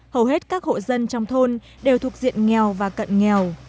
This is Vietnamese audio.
hầu hết các hộ dân trong thôn đều thuộc diện nghèo và cận nghèo